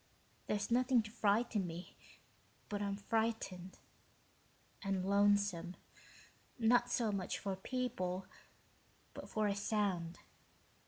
There's nothing to frighten me, but I am frightened ... and lonesome, not so much for people, but for a sound